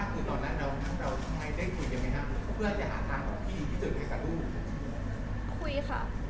คุยค่ะ